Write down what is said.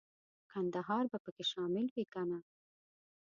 کندهار به پکې شامل وي کنه.